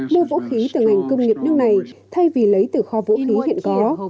mua vũ khí từ ngành công nghiệp nước này thay vì lấy từ kho vũ khí hiện có